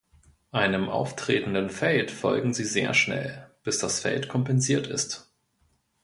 Einem auftretenden Feld folgen sie sehr schnell, bis das Feld kompensiert ist.